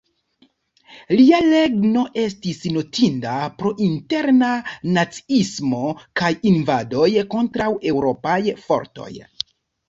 Lia regno estis notinda pro interna naciismo kaj invadoj kontraŭ Eŭropaj fortoj.